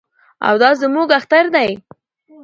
او دا زموږ اختر دی.